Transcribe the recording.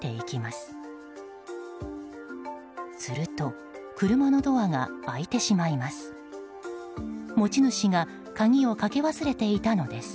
すると車のドアが開いてしまいます。